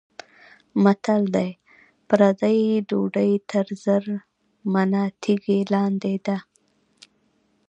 متل دی: پردۍ ډوډۍ تر زرمنه تیږه لاندې ده.